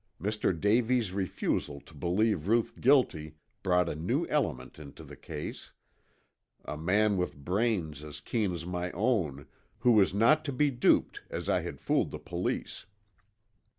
Mr. Davies' refusal to believe Ruth guilty brought a new element into the case, a man with brains as keen as my own, who was not to be duped as I had fooled the police.